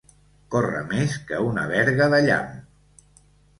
Córrer més que una verga de llamp.